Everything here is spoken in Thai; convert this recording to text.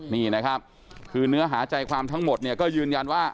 นี่นะครับคือเนื้อหาใจความทั้งหมดเนี่ยก็ยืนยันว่า